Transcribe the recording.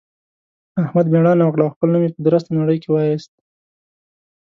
احمد مېړانه وکړه او خپل نوم يې په درسته نړۍ کې واېست.